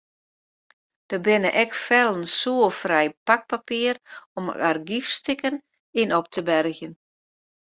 Der binne ek fellen soerfrij pakpapier om argyfstikken yn op te bergjen.